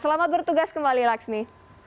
selamat bertugas kembali laksmi